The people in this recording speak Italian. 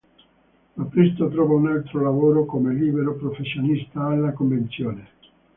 Ma presto trova un altro lavoro come libero professionista alla Convenzione.